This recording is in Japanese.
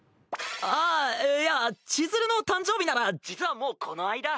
ああいや千鶴の誕生日なら実はもうこの間。